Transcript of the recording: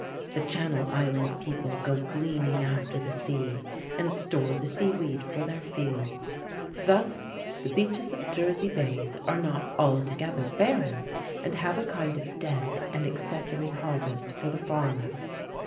The Channel Island people go gleaning after the sea, and store the seaweed for their fields. Thus the beaches of Jersey bays are not altogether barren, and have a kind of dead and accessory harvest for the farmer.